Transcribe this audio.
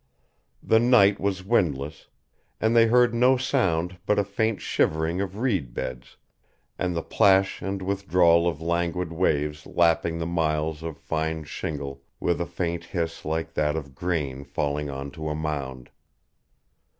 The night was windless, and they heard no sound but a faint shivering of reed beds, and the plash and withdrawal of languid waves lapping the miles of fine shingle with a faint hiss like that of grain falling on to a mound.